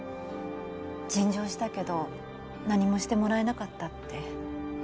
陳情したけど何もしてもらえなかったって。